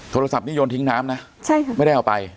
โทรศัพท์นี้โยนทิ้งน้ำนะใช่ค่ะไม่ได้เอาไป